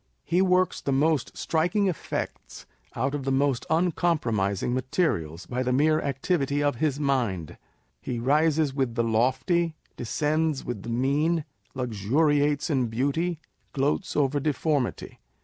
He works the most striking effects out of the most unpromising materials, by the mere activity of his mind. He rise'te with the lofty, descends with the mean, luxuriates in beauty, gloats over deformity.